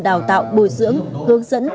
đào tạo bồi dưỡng hướng dẫn